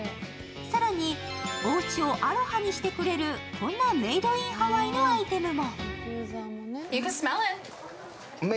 更におうちをアロハにしてくれるこんなメイド・イン・ハワイのアイテムも。